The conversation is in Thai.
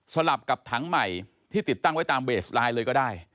ลับกับถังใหม่ที่ติดตั้งไว้ตามเบสไลน์เลยก็ได้